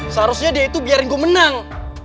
seharusnya dia itu biarin gue menang